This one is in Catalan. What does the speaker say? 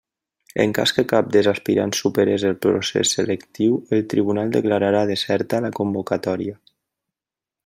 En cas que cap dels aspirants superés el procés selectiu el tribunal declararà deserta la convocatòria.